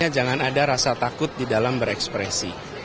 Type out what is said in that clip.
jangan ada rasa takut di dalam berekspresi